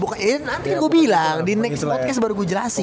bukan ya nanti gue bilang di next podcast baru gue jelasin